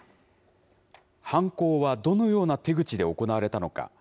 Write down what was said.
犯行はどのような手口で行われたのか。